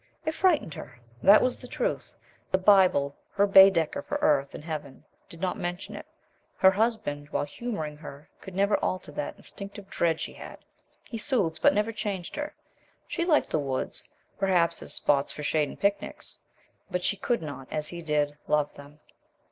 It frightened her. That was the truth. The Bible, her Baedeker for earth and heaven, did not mention it. Her husband, while humoring her, could never alter that instinctive dread she had. He soothed, but never changed her. She liked the woods, perhaps as spots for shade and picnics, but she could not, as he did, love them.